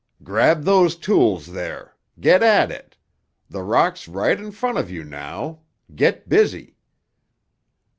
"Grab those tools there! Get at it! The rock's right in front of you now! Get busy!"